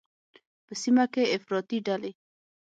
په سیمه کې افراطي ډلې